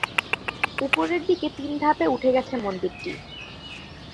উপরের দিকে তিন ধাপে উঠে গেছে মন্দিরটি।